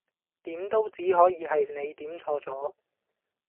點都只可以係你點錯咗